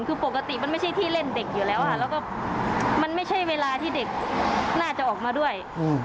คือปกติมันไม่ใช่ที่เล่นเด็กอยู่แล้วค่ะแล้วก็มันไม่ใช่เวลาที่เด็กน่าจะออกมาด้วย